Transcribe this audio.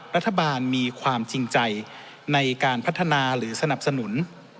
รัฐบาลมีความจริงใจในการพัฒนาหรือสนับสนุน